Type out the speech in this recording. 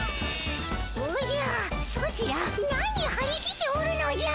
おじゃソチら何はり切っておるのじゃ！